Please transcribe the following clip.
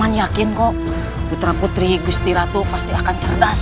jangan yakin kok putra putri gusti ratu pasti akan cerdas